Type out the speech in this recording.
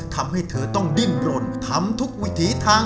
ทำให้เธอต้องดิ้นรนทำทุกวิถีทาง